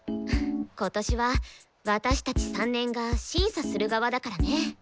今年は私たち３年が審査する側だからね。